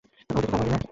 ওদেরকে থামাবি না?